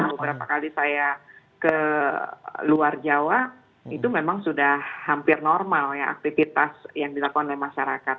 beberapa kali saya ke luar jawa itu memang sudah hampir normal ya aktivitas yang dilakukan oleh masyarakat